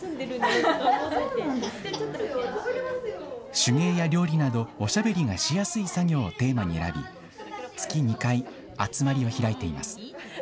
手芸や料理など、おしゃべりがしやすい作業がテーマに選び、月２回、集まりを開いています。